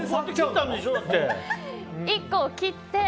１個を切って。